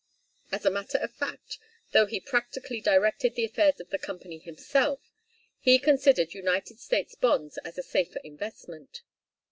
As a matter of fact, though he practically directed the affairs of the Company himself, he considered United States' bonds as a safer investment.